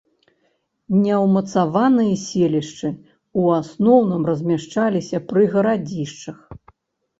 Неўмацаваныя селішчы ў асноўным размяшчаліся пры гарадзішчах.